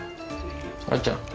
あーちゃん